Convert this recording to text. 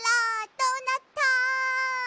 「どうなった？」